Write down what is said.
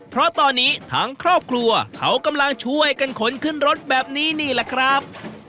เพราะตอนนี้ทั้งครอบครัวเขากำลังช่วยกันขนขึ้นรถแบบนี้นี่แหละครับ